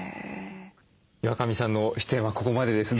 岩上さんの出演はここまでです。